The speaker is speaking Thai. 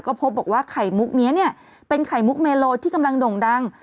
ก็พบบอกว่าไข่มุกนี้เนี่ยเป็นไข่มุกเมโลที่กำลังโด่งดัง